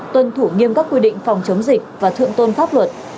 tuân thủ nghiêm các quy định phòng chống dịch và thượng tôn pháp luật